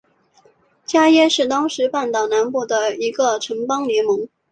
伽倻是当时半岛南部的一个城邦联盟。